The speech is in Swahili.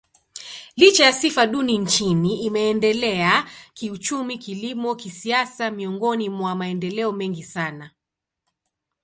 Licha ya sifa duni nchini, imeendelea kiuchumi, kilimo, kisiasa miongoni mwa maendeleo mengi sana.